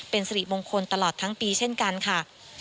เป็นสิริมงคลตลอดทั้งปีเช่นกันค่ะ